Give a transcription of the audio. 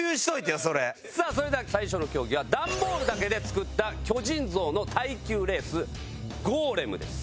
さあそれでは最初の競技はダンボールだけで作った巨人像の耐久レースゴーレムです。